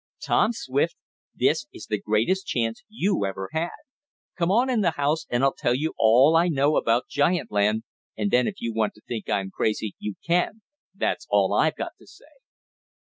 Tom Swift, this is the greatest chance you ever had! Come on in the house and I'll tell you all I know about giant land, and then if you want to think I'm crazy you can, that's all I've got to say!"